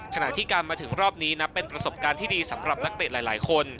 ขณะที่การมาถึงรอบนี้นับเป็นประสบการณ์ที่ดีสำหรับนักเตะหลายคน